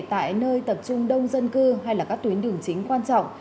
tại nơi tập trung đông dân cư hay là các tuyến đường chính quan trọng